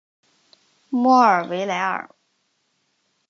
莫尔维莱尔。